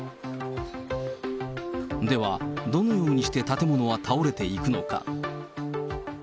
では、どのようにして建物は倒れていくのか。